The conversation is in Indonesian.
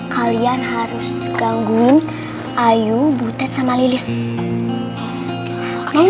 kalian harus gangguin ayu butet sama pak juki